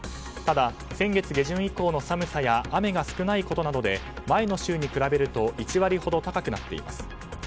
ただ、先月下旬以降の寒さや雨が少ないことなどで前の週と比べると１割ほど高くなっています。